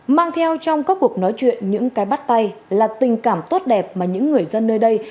mang theo trong các cuộc nói chuyện những cái bắt tay là tình cảm tốt đẹp mà những người dân nơi đây